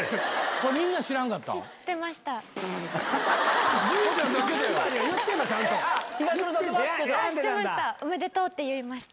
これみんな知らんかった？